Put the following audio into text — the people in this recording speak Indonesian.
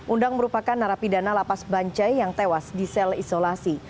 undang merupakan narapidana lapas bancai yang tewas di sel isolasi